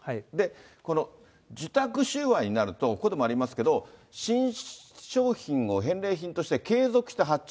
この受託収賄になると、ここにもありますけど、新商品を返礼品として継続した発注。